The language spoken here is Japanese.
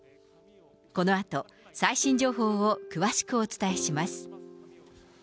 このあと、最新情報を詳しくお伝えします。